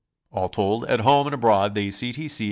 All told, at home and abroad, the C. T. C.